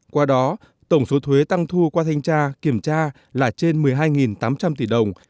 qua đó tổng số thuế tăng thu qua thanh tra kiểm tra là trên một mươi hai tám trăm linh tỷ đồng